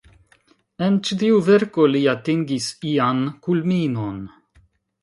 En ĉi tiu verko li atingis ian kulminon.